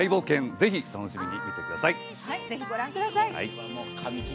ぜひ、お楽しみに見てください。